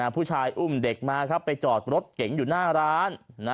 ผู้ชายอุ้มเด็กมาครับไปจอดรถเก๋งอยู่หน้าร้าน